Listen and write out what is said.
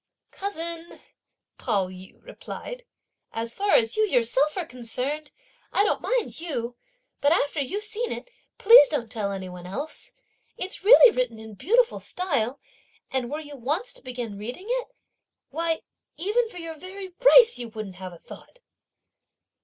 "Cousin," Pao yü replied, "as far as you yourself are concerned I don't mind you, but after you've seen it, please don't tell any one else. It's really written in beautiful style; and were you to once begin reading it, why even for your very rice you wouldn't have a thought?"